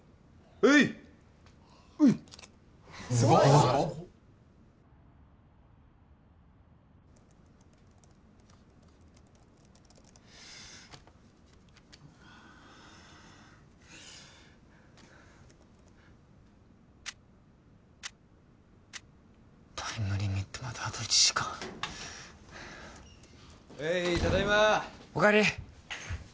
ヘイういすごっすごっタイムリミットまであと１時間ヘイただいまおかえり